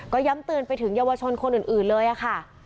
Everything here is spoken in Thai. ก็ย้ำเตือนไปถึงเยาวชนคนอื่นเลยค่ะ